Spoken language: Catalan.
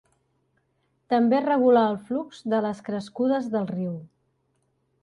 També regula el flux de les crescudes del riu.